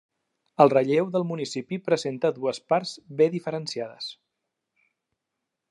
El relleu del municipi presenta dues parts bé diferenciades.